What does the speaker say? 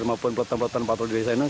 maupun pelotan pelotan patroli di desa ineng